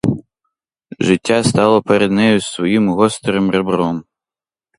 Життя стало перед нею своїм гострим ребром.